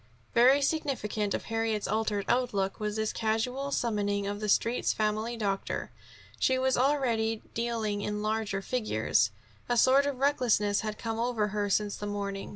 Very significant of Harriet's altered outlook was this casual summoning of the Street's family doctor. She was already dealing in larger figures. A sort of recklessness had come over her since the morning.